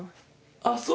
あっそう。